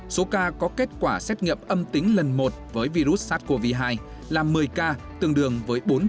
số ca có kết quả xét nghiệm âm tính lần một với virus sars cov hai là một mươi ca tương đương với bốn